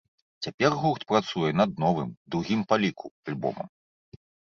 Цяпер гурт працуе над новым, другім па ліку, альбомам.